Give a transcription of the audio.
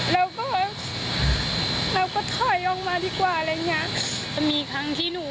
เราก็แบบเราก็ไม่รู้แล้วเขาเสียใจอะ